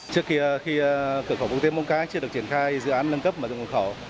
trước khi cửa khẩu quốc tế móng cái chưa được triển khai dự án nâng cấp mở rộng cửa khẩu